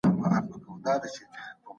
د کندهارپه صنعت کي د پرمختګ کچه څنګه لوړیږي؟